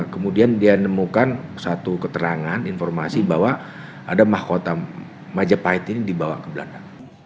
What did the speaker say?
kemudian dia nemukan satu keterangan informasi bahwa ada mahkota majapahit ini dibawa ke belanda